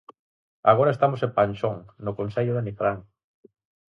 Agora estamos en Panxón, no concello de Nigrán.